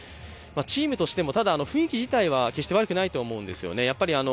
チームとしても雰囲気自体は決して悪くはないと思うんですよね。